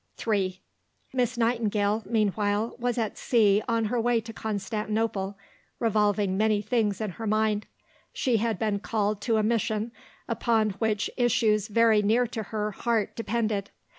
III Miss Nightingale, meanwhile, was at sea on her way to Constantinople, revolving many things in her mind. She had been called to a mission upon which issues very near to her heart depended.